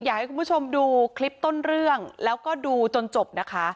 อยากให้คุณผู้ชมดูคลิปต้นเรื่องแล้วก็ดูจนจบนะคะ